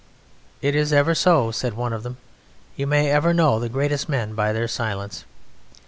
"It is ever so," said one of them, "you may ever know the greatest men by their silence."